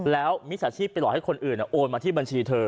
แล้วมิจฉาชีพไปหลอกให้คนอื่นโอนมาที่บัญชีเธอ